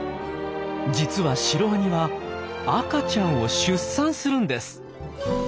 実はシロワニは赤ちゃんを出産するんです。